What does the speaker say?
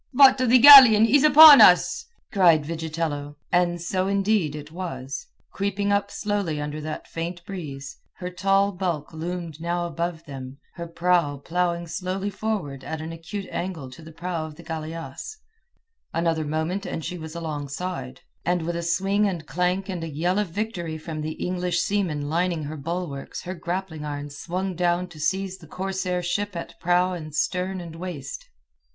"But the galleon is upon us!" cried Vigitello. And so, indeed, it was, creeping up slowly under that faint breeze, her tall bulk loomed now above them, her prow ploughing slowly forward at an acute angle to the prow of the galeasse. Another moment and she was alongside, and with a swing and clank and a yell of victory from the English seamen lining her bulwarks her grappling irons swung down to seize the corsair ship at prow and stern and waist.